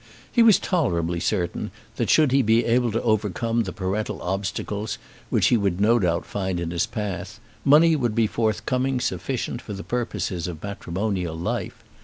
He was tolerably certain that, should he be able to overcome the parental obstacles which he would no doubt find in his path, money would be forthcoming sufficient for the purposes of matrimonial life.